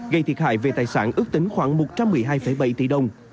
gây thiệt hại về tài sản ước tính khoảng một trăm một mươi hai bảy tỷ đồng